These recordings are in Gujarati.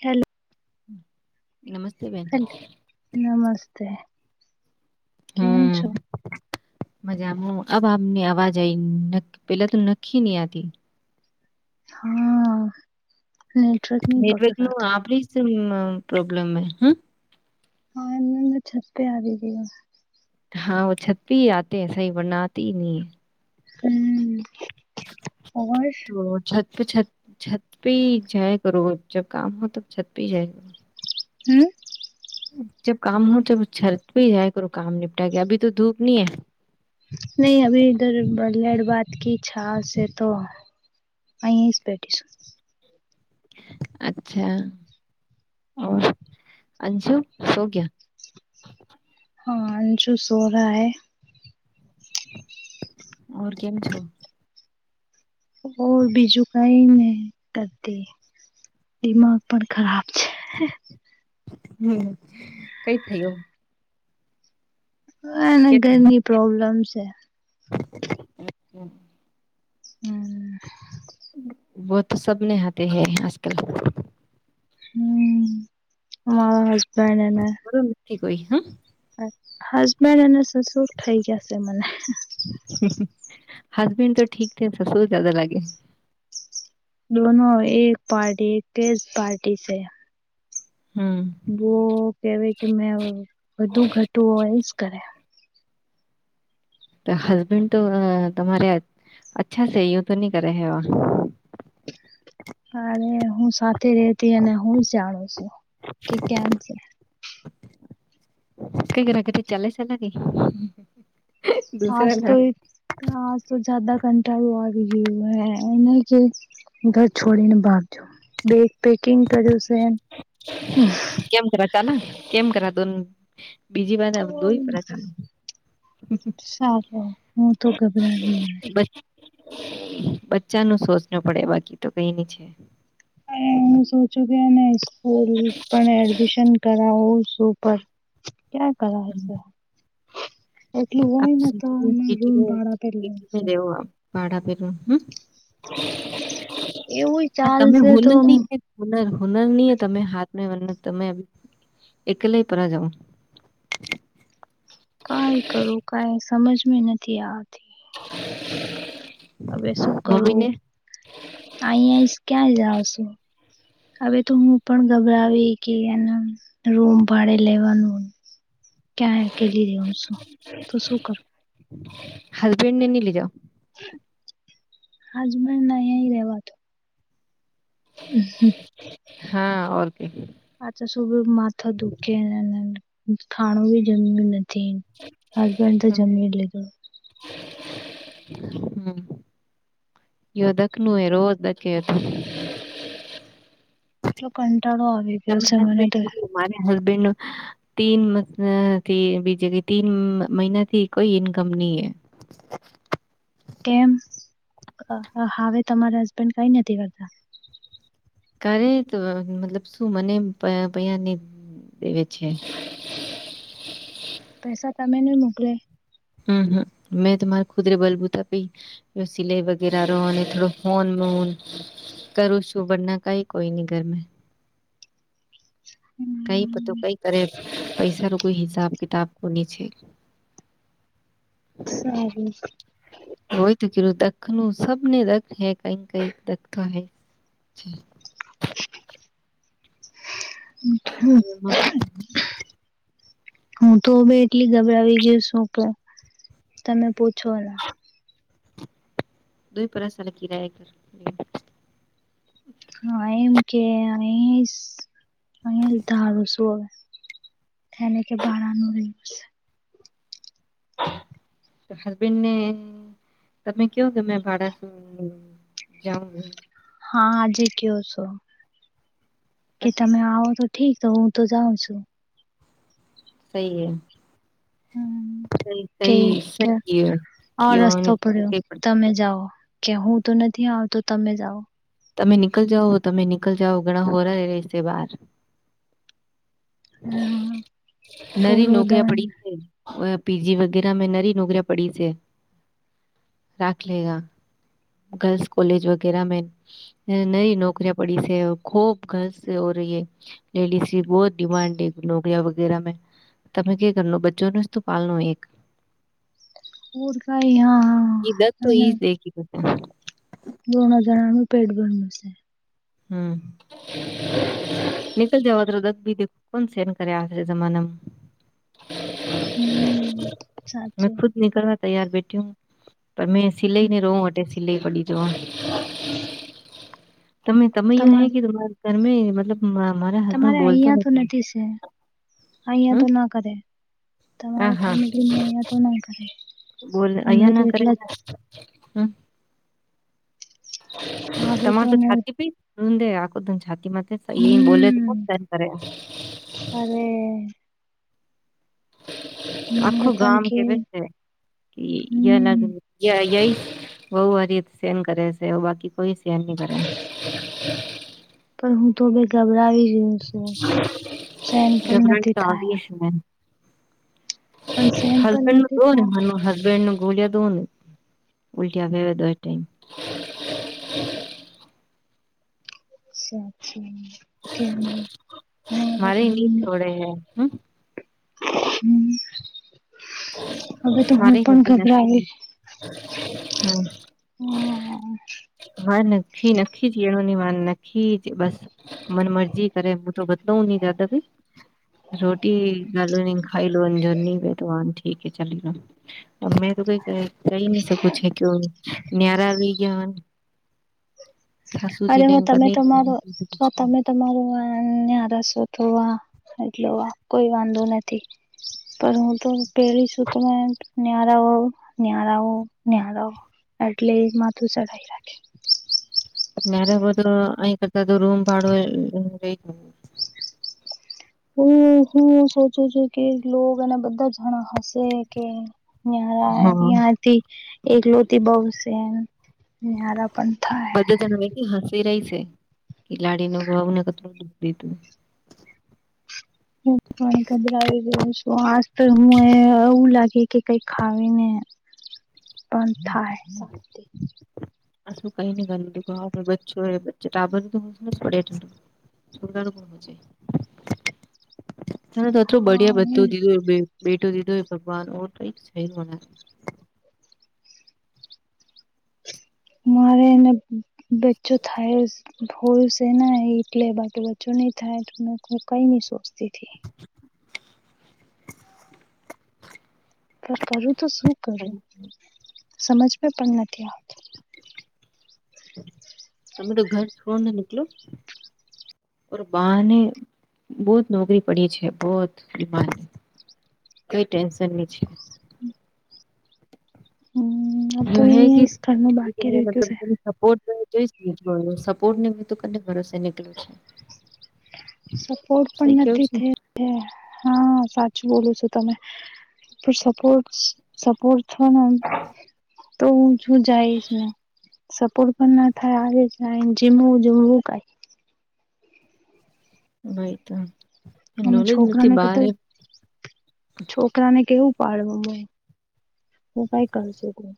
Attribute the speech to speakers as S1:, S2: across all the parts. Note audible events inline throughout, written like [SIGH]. S1: હેલો
S2: નમસ્તે બેન.
S1: હેલો નમસ્તે. કેમ
S2: હમ્મ.
S1: છો
S2: મજામાં અ આમને અવાજ આવી પેલા તો નખી નહિ આતી.
S1: હા હમ્મ.
S2: નેટવર્ક નું આપડી પ્રોબ્લેમ હ હમ્મ.
S1: હા એમંદ છતે આ કીવા
S2: હા વ છતપી આતે સહી બનાતી નહી.
S1: હમ્મ.
S2: તો છત તો છત છત પે જયા કરો જબ કામ હો ત છત પે જાય કરો.
S1: હમ્મ.
S2: જબ કામ હો ત છત પેજાય કર કામ નિપટા ગયા અભી તો ધૂપ નઈ હે.
S1: નહી અભી ધર બ લડ બાદ કી છાશ હે તો. અહીં સ્પેટીશ શું
S2: અચ્છા અંશુ શો ક્યા
S1: હા અંજુ સોરા હૈ.
S2: ઓર કેમ છો?
S1: ઓ બીજું કઈ ને કરતી દિમાગ પણ ખરાબ છે.
S2: હમ્મ કઈ થયું.
S1: ના ઘરની પ્રોબ્લેમ છે.
S2: હમ્મ હમ્મ.
S1: હમ્મ.
S2: વ તો સબ નિહતે હૈ આજ કલ
S1: હમ્મ અમારો હજબેન્ડ એને
S2: [UNINTELLIGIBLE] કોઈ હા
S1: હજબન્ડ અને સસુર થઇ જાશે મને.
S2: હસબન્ડ તો ઠીક સસુર જાદા લાગે.
S1: દોનો એક પાર્ટી એક કેસ પાર્ટી છે.
S2: હમ્મ.
S1: બો કેવાય કે મે વધુ ઘટું હો એજ કરયા.
S2: તા હસબેન્ડ તો તમારે અચ્છા સું તો નહી કરે ઓર
S1: હારે હું સાથે રેતી અને હું જ જાણું છું કે કેમ છે.
S2: કઈ ઘરા કે ચાલે છે લા કે
S1: આજ તો
S2: દુસરા
S1: એ હ તો જદા કંટાળું આવી ગયું હે એને કે ઘર છોડીને ભપજો બેકીગ કર્યું છે એ
S2: ચાલ કેમ કરા દો બીજી વાત
S1: છે
S2: દો પડ ચાલ
S1: સારું હું તો ગભરાવી ગઈ.
S2: બચ્ચા નુ શોચ નુ પડે બાકી તો કઈની છે.
S1: હું સોચું કેને સ્કૂલ પણ એડમિશન કરાવું છું. ઉપર ક્યા કરાયુ હશે.
S2: [UNINTELLIGIBLE]
S1: અમે રૂમ ભાડા પર લઈશું.
S2: ટીવ ભાડા પેલું હમ્મ
S1: એવું
S2: આ તમે
S1: ચાલશે
S2: ભૂલ
S1: તો
S2: નહી કે હુનર હુનરનીય તમે હાથ વર તમે એકલે પરા જાઓ
S1: કાઈ કરું કાઈ સમજ મે નથી આતી
S2: [INAUDIBLE]
S1: હવે શું
S2: મમ્મી
S1: કરું
S2: ને
S1: આઈ આઈશ ક્યાં જાવ છે. હવે તો હું પણ ગભરાવી કે, એના રૂમ ભાડે લેવાનું. ક્યાંય અકેલી રહ્યો છું, તો શું કરું.
S2: હસબેન્ડ ને લીધો.
S1: આજ મે નહીં રેવાતો. હ.
S2: હા, કે.
S1: આ તો સુ માથા દુઃખી, ખાણું બ જમી નથી. તને હસબન્ડ તો જમી લું.
S2: [UNINTELLIGIBLE] હમ દકનું એ રોજ દકે હતો. [UNINTELLIGIBLE]
S1: એટલો કંટાળો આવે.
S2: તમે હસબેન્ડ, મારે હસબેન્ડ. તીનથી બીજ, તીન મહિના થી કોઈ ઇન્કમ નહીં, હ. [UNINTELLIGIBLE]
S1: કેમ? હવે તમારા હસબેન્ડ કઈ નથી કરતા.
S2: કરે તો, મતલબ શું? મને પૈ નહી દેવે છે.
S1: પેસા તમે નહી મોકલે.
S2: હમ, હમ, મેં તમારે ખુદરે બલબૂતા પી. સિલાઈ વગેરે, અને થોડો હોન મન. કરું છું, બરાબર, ના, કઈ કોઈ ની ઘરમે. કઈ તો,
S1: હમ,
S2: કઈ કરે, પૈસા નો કોઈ હિસાબ કિતાબ કોની છે.
S1: સારું.
S2: હોય તો, કેું દખ ન સબને દે, કઈક કઈકતો હૈ.
S1: હ.
S2: હે
S1: [UNINTELLIGIBLE] હું તો ભ એટલી ગભરાાવી ગયું છું, તો તમે પૂછો.
S2: દુઈ પરસા ન કિ રહ કર.
S1: હા, એમ કે અહી અહીં ધારું શું હવે? એને કે બાળ નિવ [UNINTELLIGIBLE]
S2: તો હસબેન્ડ ને, તમે કવો કે, ભાડાસું જાવં.
S1: હા, આજે કયો છો? કે તમે આવો તો. ઠીક, હું તો જાઉં છું.
S2: સઈ
S1: હમ,
S2: [UNINTELLIGIBLE]
S1: કે
S2: કઈ સઈ ક
S1: આ
S2: કવાર
S1: રસ્તો પડ્યો
S2: કઈ [UNINTELLIGIBLE]
S1: તમે જાઓ કે હું તો નથી આવતો, તમે જાઓ.
S2: તમે નીકળ જાઓ, તમે નીકળ જાવ, ઘણા હોરા રશે બહાર.
S1: હા,
S2: નરી
S1: પૂરો
S2: નોકરીયા
S1: દન
S2: પડી છે. વ પીજીી વગેરા મે નરી નોકરિયા પડી છે, રાખ લેગ. [UNINTELLIGIBLE] ગર્લ્સ કોલેજ વગેરા મે. નહી નોકરિયા પડી છે, ખૂબ ગલ હો રહી એ, લેડીઝી બહુ ડિમાડ એક નોકરિયા વગેરા મેં. તમે કે કરનો બચ્ચો નું પાલનો એક [UNINTELLIGIBLE]
S1: પર કઈ હા, હા.
S2: હા.
S1: દણ જણાનું પેટ ભરશે.
S2: હમ નિકલ જાવાધ દધ બી દે [UNINTELLIGIBLE] કોણ સેન્ડ કરે? આજના જમાનામાં.
S1: હમ્મ, સાચું.
S2: નીકળવા, તૈયાર બેઠી પણ મેં સિલાઈ ને, રો અ સિલાઈ પડી જો. તમે તમે યું હૈ
S1: તમારે
S2: કે, તમા ઘરમે, મતલબ, મારા હસબન્ડ
S1: તમારે
S2: બોલતો નથી.
S1: અહીં
S2: હમ
S1: તો ના કરે,
S2: હા
S1: તમારા
S2: હા
S1: ફેમલી અહતો ના કરે.
S2: બોલ
S1: હમણા
S2: અહયા
S1: તો
S2: ના કરે
S1: એટલા જ
S2: હમ
S1: આવે
S2: તમારે તો
S1: ને
S2: છાતી આખ ત છાતીમાં [INAUDIBLE]
S1: અને મારે
S2: આખું
S1: પણ
S2: ગામ
S1: કે
S2: કેવ છે કે અલગ
S1: હમ
S2: ય ય બહુ વારી સેન કરે છે બાકી કોઈ સેન નહી કરે
S1: પણ હું તો ગભરાવી ગયો છું, સેન પણ
S2: ગભરાટ
S1: નથી
S2: તો
S1: થાય.
S2: આવી
S1: પણ સહન પણ
S2: હસબેન્ડ નું
S1: નથી
S2: તો ને
S1: થાય
S2: હસબેન્ડનું [UNINTELLIGIBLE] મારે
S1: [UNINTELLIGIBLE]
S2: [INAUDIBLE]
S1: હ હવે તો હું
S2: મારે
S1: પણ
S2: હસબેન્ડ
S1: ગભરાવીશ,
S2: [INAUDIBLE]
S1: હા
S2: વા નખી નખી જ એનોની વાર નખી જ બસ મન મરજી કરે હું તો બધુંની દાદ ભ રોટી લાલું નહી ખાઈ લો જોની બેે તો વાનથી ઠીકે ચલી રહ્યો મે તો કઈ ક કહી ન શકું. એટલું ન્યરા લઈ ગયાતા
S1: અરે
S2: સાસુજીને
S1: હો તમે
S2: કદી
S1: તમારો તમે તમારું ન્યારું સોચવા એટલે કોઈ વાંધો નથી. પર હું તો પહેલી સુતમાં ન્યાારા ન્યાારા ન્યાારો એટલે એ માથું સઢાઈ રાખે.
S2: મારે તો અહી કરતા તો રૂમ ભાડો રહી.
S1: હ હું સોચું છું કે લો એના બધા જણા હશે કે નહીં
S2: હા
S1: ન્યાથી એક લોટી બહુ સે એમ. [UNINTELLIGIBLE]
S2: બધ ત હસી રહી છે કે લાડી ન ભાવ ને કું દુખ દીધું
S1: [UNINTELLIGIBLE] [INAUDIBLE]
S2: [INAUDIBLE]
S1: અન થાય સ.
S2: [INAUDIBLE] [INAUDIBLE] [INAUDIBLE] તને તોતું બડિયા બધું દીધુંય બેઠો દીધો હોય ભગવાન ઓ કઈક છે
S1: [INAUDIBLE] ભોલસે ના એટલે માટે બચ્ચો નહી થાય તો મે કઈ નઈ સોચતી પર કરું તો શું કરું, સમજમાં પણ નથી આવતું.
S2: તમે તો ઘર છોડને નીકલો. ઓર બાહને બહુ નોકરી પડી છે બહ દિમા કોઈ ટેન્શન નહી છે. [INAUDIBLE]
S1: હમ
S2: સપોર્ટ
S1: તો અહી ઘરનું બાકી રહી ગયું છે
S2: જોનું સપોર્ટ ને તો કને ભરોસે નીકળું છે.
S1: સપોર્ટ
S2: સઈ
S1: પણ
S2: કેવું
S1: નથી
S2: છું
S1: થ હા સાચું બોલું છું તમે. પણ સપોર્ટ સપોર્ટ છેને તો હું શું જાઈશને સપોટ પણ ના થાય આ જ જીમવું જમવું કઈ.
S2: ભાઈ તો
S1: અમે
S2: નોલેજ નથી
S1: છોકરાને
S2: બહાર
S1: કતર છોકરાને કેવું પાડવા હોય. હું કઈ કર છુંકું.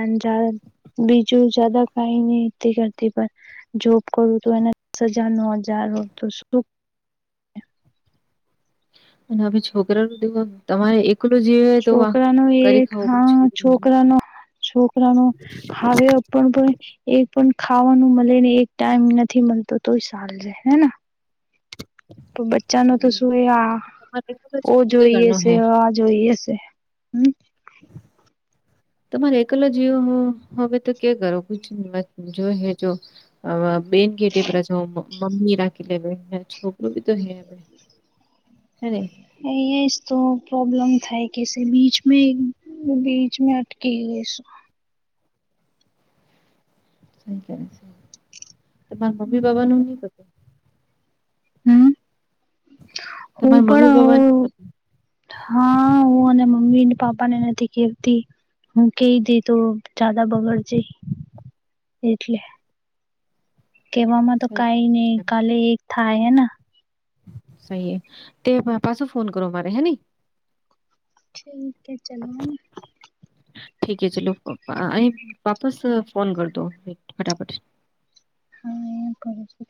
S1: અને બીજું જદા કઈ નહ કરતી પણ. જોબ કરું તો એને દસ હજાર ન હજાર હો તો શું.
S2: અને છોકરા દવા તમારે એક
S1: છોકરાનો એક હા,
S2: છોકરાને
S1: છોકરાનો. છોકરા ન હાવણ પણ એ પણ ખાવાનું મળે ને, એક ટાઈમ નથી મળતો, તો ચાલ જાય હ. તો બચ્ચા ન તો
S2: સહી
S1: શું? એ હ,
S2: તમારે એકલો
S1: ઓ
S2: જીવ
S1: જોઈએ,
S2: ઘરનો હે
S1: આ જોઈએશે. હમ.
S2: [UNINTELLIGIBLE] તમારે એકલા જાવ, હવે તો કે કરો જોઈ હેજ. બેન ગેટી મમ્મી રાખી લે, છોકરું બી તો હે. સોરી.
S1: તો પ્રોબ્લમ થાય કે, બીચ મે. બીચ મે અટકે ગ
S2: તમારા મમ્મી બાપા નું નહતું.
S1: હમ. હું
S2: તમારા મમ્મી બાબાનું
S1: પણ. હા, હું અને મમ્મી પાપા ને નથી કેતી. હું કઈ દે, તો જદા બગડજે. એટલે. કેવામાં તો
S2: સહી
S1: કઈ નહી, કાલે એક થાય હે.
S2: સહીએ તે મા પાસો ફોન કરો મારે હેની.
S1: ઠીક, ચલો, હ.
S2: ઠીક, ચલો, અ વાપસ ફોન કરતો, ફટાફટ.
S1: હા, એયા કરે છે.